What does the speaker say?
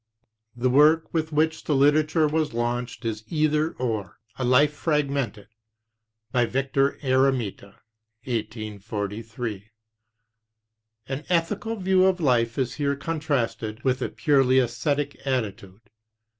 The work with which the literature was launched is Either— Or, a life fragment, by Victor Eremita, (1843). An ethical view of life is here contrasted with a purely esthetic attitude.